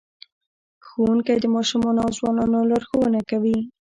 ښوونکی د ماشومانو او ځوانانو لارښوونه کوي.